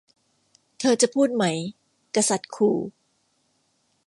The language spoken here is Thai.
เธอจะพูดไหม กษัตริย์ขู่